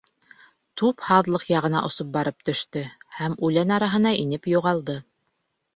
Туп һаҙлыҡ яғына осоп барып төштө, һәм үлән араһына инеп юғалды.